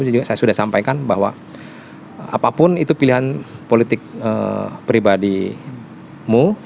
jadi saya sudah sampaikan bahwa apapun itu pilihan politik pribadimu